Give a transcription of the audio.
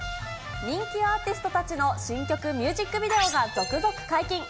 人気アーティストたちの新曲ミュージックビデオが続々解禁。